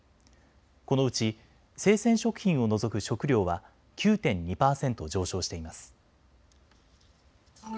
このうち生鮮食品を除く食料は９．２％上昇しています。